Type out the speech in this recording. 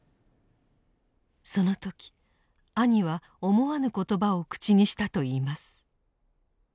その時兄は思わぬ言葉を口にしたといいます。